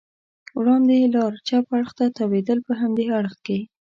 وړاندې لار چپ اړخ ته تاوېدل، په همدې اړخ کې.